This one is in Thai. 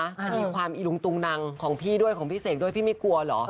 อันนี้ความอิลุงตุงนังของพี่ด้วยของพี่เสกด้วยพี่ไม่กลัวเหรอ